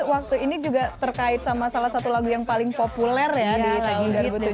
waktu ini juga terkait sama salah satu lagu yang paling populer ya di tahun dua ribu tujuh belas